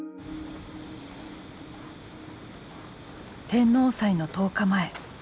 天王祭の１０日前。